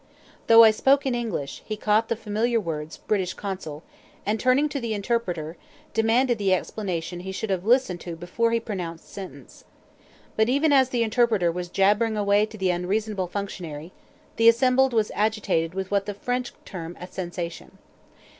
Though I spoke in English, he caught the familiar words "British Consul," and turning to the interpreter, demanded the explanation he should have listened to before he pronounced sentence. But even as the interpreter was jabbering away to the unreasonable functionary, the assembly was agitated with what the French term a "sensation."